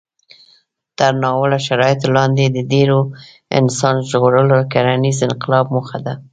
تر ناوړه شرایطو لاندې د ډېرو انسان ژغورل د کرنيز انقلاب موخه وه.